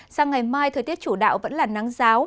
sang ngày mai thời tiết chủ đạo vẫn là nắng giáo